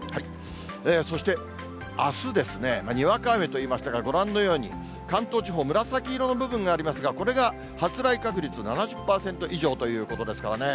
そしてあすですね、にわか雨と言いましたが、ご覧のように、関東地方、紫色の部分がありますが、これが発雷確率７０％以上ということですからね。